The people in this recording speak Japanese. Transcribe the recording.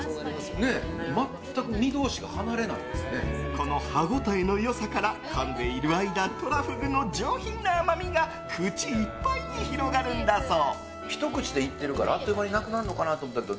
この歯応えの良さからかんでいる間トラフグの上品な甘みが口いっぱいに広がるんだそう。